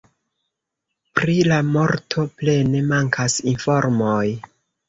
Pri la morto plene mankas informoj.